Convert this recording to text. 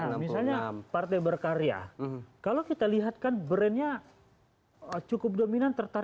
nah misalnya partai berkarya kalau kita lihat kan brandnya cukup dominan tertarik